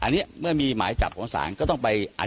เรื่องไอ้